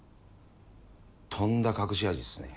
とんだ隠し味っすね。